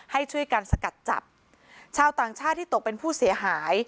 ให้ช่วยกันสกัดจับชาวต่างชาติที่ตกเป็นผู้เสียหาย